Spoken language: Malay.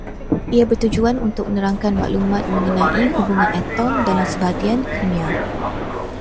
Ia bertujuan untuk menerangkan maklumat mengenai hubungan atom dalam sebatian kimia